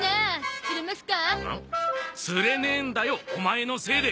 釣れねえんだよオマエのせいで！